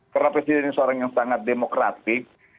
karena presiden ini seorang yang sangat demokratik